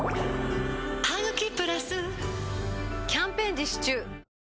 「ハグキプラス」キャンペーン実施中